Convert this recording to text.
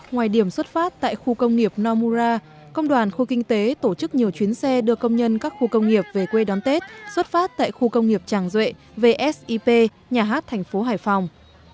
ngoài điểm xuất phát tại khu công nghiệp nomura công đoàn khu kinh tế tổ chức nhiều chuyến xe đưa công nhân các khu công nghiệp về quê đón tết xuất phát tại khu công nghiệp tràng duệ vsip nhà hát thành phố hải phòng